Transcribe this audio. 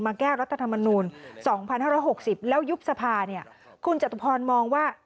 แก้รัฐธรรมนูล๒๕๖๐แล้วยุบสภาเนี่ยคุณจตุพรมองว่า